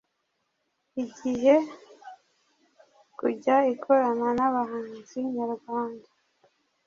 igiye kujya ikorana nabahanzi nyarwanda